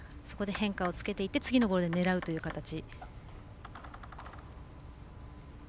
そこで変化をつけていって次のボールで狙うという形。